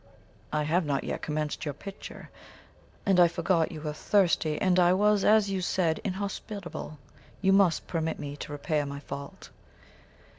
I have not yet commenced your picture. And I forgot you were thirsty, and I was, as you said, inhospitable. You must permit me to repair my fault."